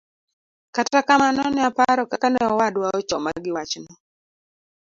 Kata kamano ne aparo kaka ne owadwa ochoma gi wachno.